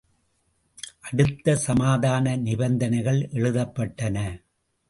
அடுத்து சமாதான நிபந்தனைகள் எழுதப்பட்டன.